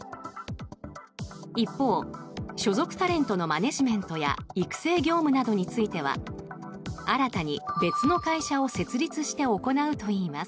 一方、所属タレントのマネジメントや育成業務などについては新たに別の会社を設立して行うといいます。